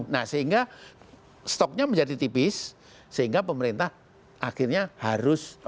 nah sehingga stoknya menjadi tipis sehingga pemerintah akhirnya harus